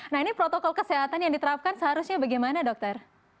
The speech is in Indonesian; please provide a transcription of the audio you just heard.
nah ini protokol kesehatan yang diterapkan seharusnya bagaimana dokter